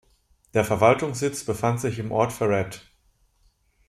Der Verwaltungssitz befand sich im Ort Ferrette.